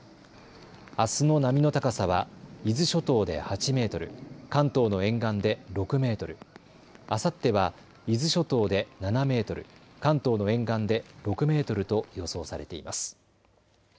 あすの波の高さは伊豆諸島で８メートル、関東の沿岸で６メートル、あさっては伊豆諸島で７メートル、関東の沿岸で６メートルと予想されています。